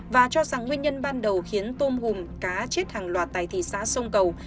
và cho rằng nguyên nhân ban đầu khiến tôm hùm cá chết hàng loạt tại thị xã sông cầu